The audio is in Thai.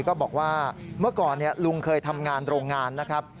ก็บอกว่าเมื่อก่อนลุงเคยทำงานโรงงานนะครับ